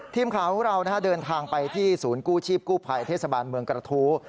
ทีมข่าวของเราเดินทางไปที่ศูนย์กู้ชีพกู้ภัยเทศบาลเมืองกระทู้